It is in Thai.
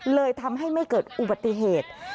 เลยทำให้ไม่เกิดอุบัติเหตุ